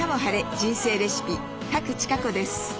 人生レシピ」賀来千香子です。